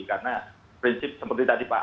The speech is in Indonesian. karena prinsip seperti tadi pak